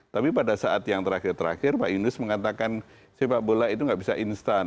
tapi pada saat yang terakhir terakhir pak yunus mengatakan sepak bola itu nggak bisa instan